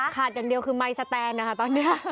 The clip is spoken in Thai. เป็นไปได้